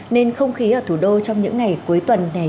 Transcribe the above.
nên không khí ở thủ đô trong những ngày cuối tuần này